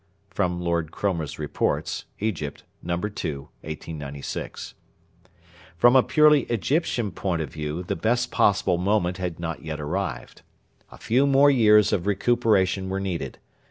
[LORD CROMER'S REPORTS: EGYPT, No. 2, 1896.] From a purely Egyptian point of view the best possible moment had not yet arrived. A few more years of recuperation were needed.